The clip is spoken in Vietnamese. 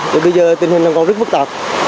bây giờ tình hình đang có rất phức tạp